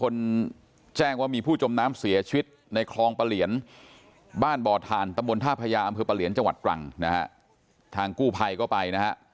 และจมน้ำเสียชีวิตในคลองประเหลียนบ้านบ่อทานตมทพพญาอำเภอประเหลียนจังหวัดกรั่งนะทางกู้ไพยก็ไปนะ